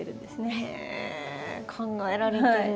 へえ考えられてる。